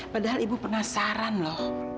padahal ibu penasaran loh